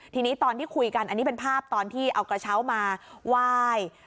ทีนี้ตอนที่คุยกันอันนี้เป็นภาพตอนที่เอากระเช้ามาไหว้